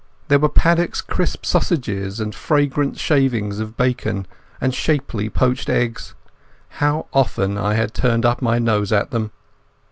There were Paddock's crisp sausages and fragrant shavings of bacon, and shapely poached eggs—how often I had turned up my nose at them!